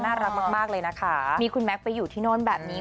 น่ารักมากเลยนะคะมีคุณแม็กซไปอยู่ที่โน่นแบบนี้